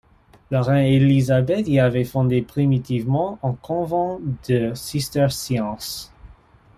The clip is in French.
La reine Élisabeth y avait fondé primitivement un convent de cisterciences.